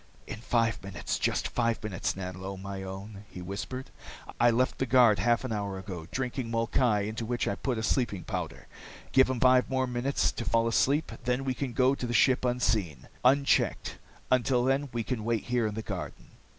"In five minutes, just five minutes, Nanlo, my own," he whispered. "I left the guard half an hour ago, drinking molkai into which I put a sleeping powder. Give him five more minutes to fall asleep, then we can go to the ship unseen, unchecked. Until then, we can wait here in the garden."